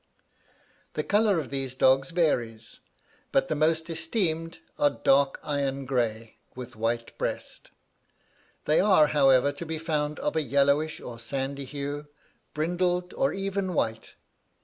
"The colour of these dogs varies, but the most esteemed are dark iron grey, with white breast. They are, however, to be found of a yellowish or sandy hue, brindled, or even white.